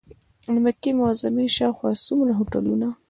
د مکې معظمې شاوخوا څومره هوټلونه.